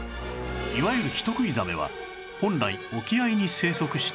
いわゆる人食いザメは本来沖合に生息しているもの